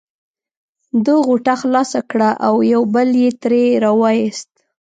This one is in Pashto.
ده غوټه خلاصه کړه او یو بوتل یې ترې را وایست.